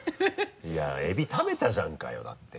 いやエビ食べたじゃんかよだって。